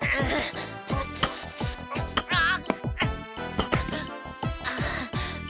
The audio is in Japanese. あっ！